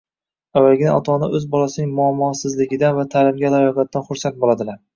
Avvaliga ota-ona o‘z bolasining muammosizligidan va taʼlimga layoqatidan xursand bo‘ladilar